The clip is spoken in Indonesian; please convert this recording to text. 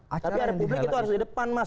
tapi area publik itu harus di depan mas